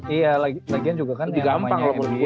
iya lagian juga kan lebih gampang kalo menurut gue